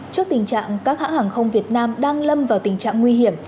trước tình trạng các hãng hàng không việt nam đang lâm vào tình trạng nguy hiểm